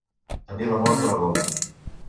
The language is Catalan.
Tenir la mort a la gola.